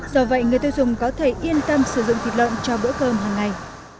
do vậy người tiêu dùng có thể yên tâm sử dụng thịt lợn cho bữa cơm hàng ngày